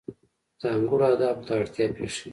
ځانګړو آدابو ته اړتیا پېښېږي.